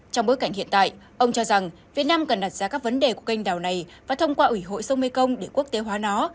trong bối cảnh hiện tại ông cho rằng việt nam cần đặt ra các vấn đề của kênh đảo này và thông qua ủy hội sông mekong để quốc tế hóa nó